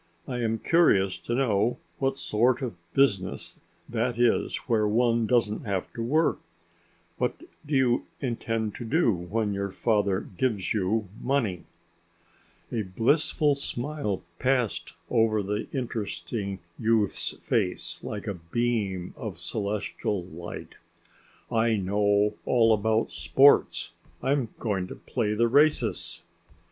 "I am curious to know what sort of business that is where one doesn't have to work. What do you intend to do when your father gives you money?" A blissful smile passed over the interesting youth's face like a beam of celestial light. "I know all about sports. I'm going to play the races!"